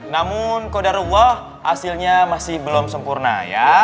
namun kodar uah hasilnya masih belum sempurna ya